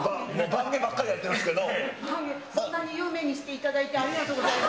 そんなに有名にしていただいて、ありがとうございます。